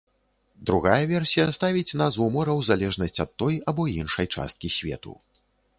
Другая версія ставіць назву мора ў залежнасць ад той або іншай часткі свету.